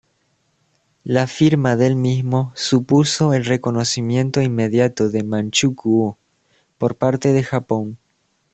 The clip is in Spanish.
La firma del mismo supuso el reconocimiento inmediato de Manchukuo por parte de Japón.